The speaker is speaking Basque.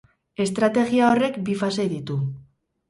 Estrategia horrek bi fase ditu.